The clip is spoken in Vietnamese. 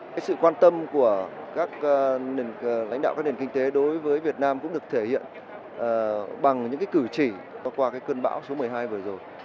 cái sự quan tâm của các lãnh đạo các nền kinh tế đối với việt nam cũng được thể hiện bằng những cái cử chỉ qua cơn bão số một mươi hai vừa rồi